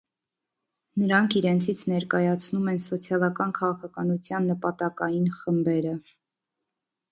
Նրանք իրենցից ներկայացնում են սոցիալական քաղաքականության նպատակային խմբերը։